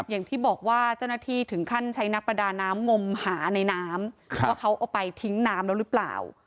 อย่างที่บอกว่าเจ้าหน้าที่ถึงขั้นใช้นักประดาน้ำงมหาในน้ำว่าเขาเอาไปทิ้งน้ำแล้วหรือเปล่า